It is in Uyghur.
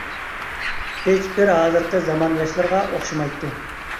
ھېچ بىر ھازىرقى زامان ياشلىرىغا ئوخشىمايتتى.